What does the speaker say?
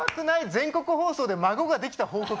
全国放送で孫ができた報告。